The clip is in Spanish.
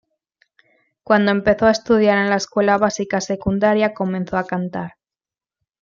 Cuando empezó a estudiar en la escuela básica secundaria comenzó a cantar.